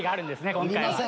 今回は。